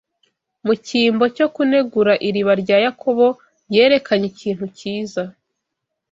mu cyimbo cyo kunegura iriba rya Yakobo, yerekanye ikintu cyiza.